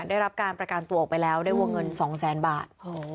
ได้รับการประกันตัวออกไปแล้วได้วงเงิน๒แสนบาท